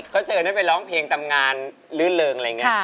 เขาเชิญได้ไปร้องเพลงตำนานลื่นเริงอะไรอย่างนี้